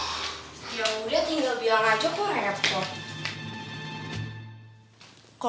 ya udah tinggal bilang aja kok rehat kok